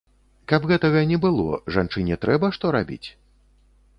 Каб гэтага не было, жанчыне трэба што рабіць?